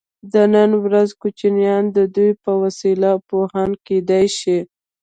د نن ورځې کوچنیان د دوی په وسیله پوهان کیدای شي.